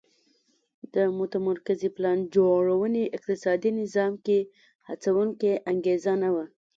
د متمرکزې پلان جوړونې اقتصادي نظام کې هڅوونکې انګېزه نه وه